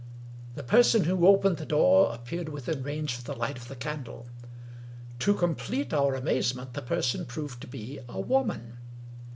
The person who opened the door appeared within range of the light of the candle. To complete our amazement, the person proved to be a woman